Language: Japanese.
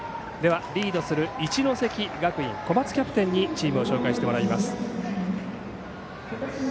リードする一関学院小松キャプテンにチームを紹介してもらいます。